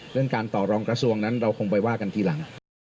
เรื่องการต่อรองกระทรวงนั้นเราคงไปว่ากันทีหลัง